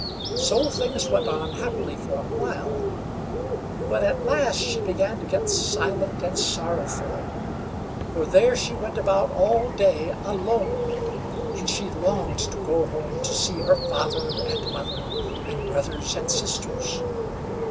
So things went on happily for a while, but at last she began to get silent and sorrowful; for there she went about all day alone, and she longed to go home to see her father and mother and brothers and sisters.